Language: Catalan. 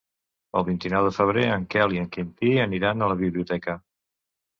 El vint-i-nou de febrer en Quel i en Quintí aniran a la biblioteca.